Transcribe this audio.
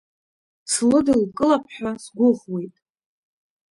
Слыдылкылап ҳәа сгәыӷуеит.